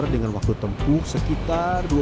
dengan waktu tempuh sekitar